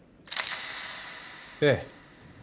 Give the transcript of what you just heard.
ええ。